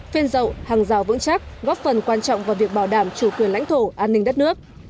phên dậu hàng rào vững chắc góp phần quan trọng vào việc bảo đảm chủ quyền lãnh thổ an ninh đất nước